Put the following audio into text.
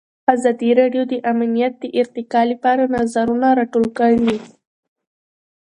ازادي راډیو د امنیت د ارتقا لپاره نظرونه راټول کړي.